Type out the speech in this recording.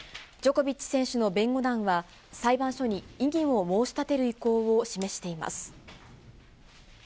ジョコビッチ選手の弁護団は、裁判所に異議を申し立てる意向を示しています。